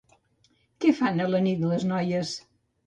Què fan a la nit les noies?